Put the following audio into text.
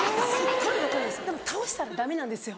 でも倒したら駄目なんですよ。